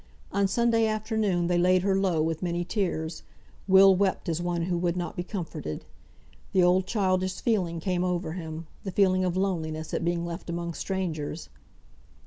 On Sunday afternoon they laid her low with many tears. Will wept as one who would not be comforted. The old childish feeling came over him, the feeling of loneliness at being left among strangers.